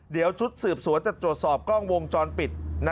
เดี๋ยวชุดสืบสวนจะตรวจสอบกล้องวงจรปิด